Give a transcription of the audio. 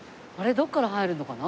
どこから入るのかな？